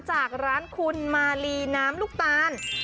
จากร้านคุณมาลีน้ำลูกตาล